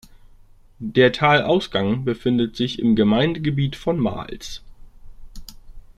Der Talausgang befindet sich im Gemeindegebiet von Mals.